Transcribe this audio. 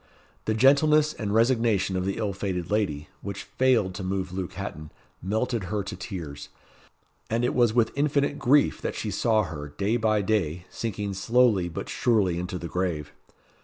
The gentleness and resignation of the ill fated lady, which failed to move Luke Hatton, melted her to tears; and it was with infinite grief that she saw her, day by day, sinking slowly but surely into the grave.